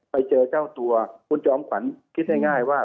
ไปเจอเจ้าตัวคุณเจ้าอำขวัญคิดได้ง่ายว่า